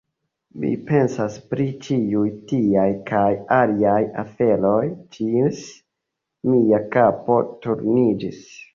Mi pensis pri ĉiuj tiaj kaj aliaj aferoj, ĝis mia kapo turniĝis.